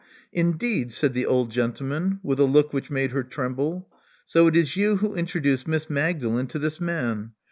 Indeed!" said the old gentleman, with a look which made her tremble. So it is you who introduced Miss Magdalen to this man.